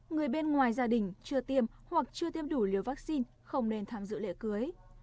người bên ngoài gia đình chưa tiêm hoặc chưa tiêm đủ liều vaccine không nên tham dự lễ cưới